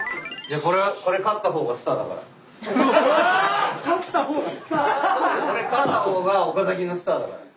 これ勝った方が岡崎のスターだから。